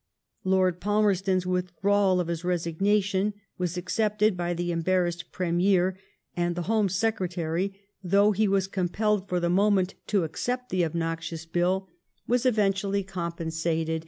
Lord Palmerston's withdrawal of his resignation was accepted by the embarrassed Premier ; and the Home Secretary, though he was compelled for the moment to 4U)cept the obnoxious Bill, was eventually compensated 160 LIFE OF VISCOUNT PALMEB3T0N.